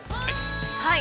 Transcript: ◆はい。